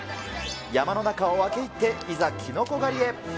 山の中を分け入って、いざ、キノコ狩りへ。